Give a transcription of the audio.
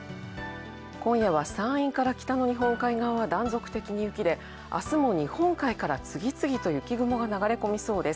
今夜は山陰から北の日本海側は断続的に雪で、あすも日本海から次々と雪雲が流れ込みそうです。